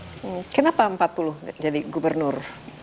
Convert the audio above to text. hmm kenapa empat puluh jadi gubernur